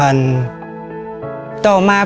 โรค